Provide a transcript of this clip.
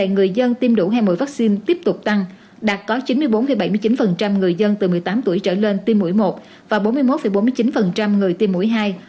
người dân tiêm đủ hai mũi vaccine tiếp tục tăng đạt có chín mươi bốn bảy mươi chín người dân từ một mươi tám tuổi trở lên tiêm mũi một và bốn mươi một bốn mươi chín người tiêm mũi hai